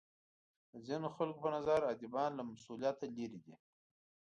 د ځینو خلکو په نظر ادیبان له مسولیت لرې دي.